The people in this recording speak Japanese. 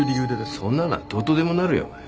そんなのはどうとでもなるよお前。